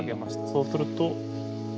そうすると。